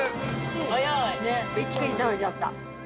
一気に食べちゃった。